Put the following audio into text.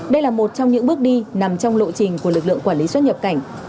đây là một trong những bước đi nằm trong lộ trình của lực lượng quản lý xuất nhập cảnh